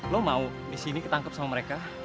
lo mau disini ketangkep sama mereka